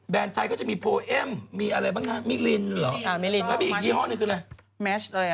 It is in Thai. แบรนด์ไทยก็จะมีโพลแอมมีอะไรบ้างนะมีลินเหรอมีอีกยี่ฮอลนึงคืออะไร